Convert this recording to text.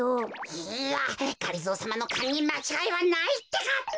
いいやがりぞーさまのかんにまちがいはないってか！